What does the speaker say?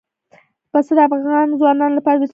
پسه د افغان ځوانانو لپاره دلچسپي لري.